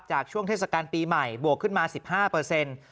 ช่วงเทศกาลปีใหม่บวกขึ้นมา๑๕เปอร์เซ็นต์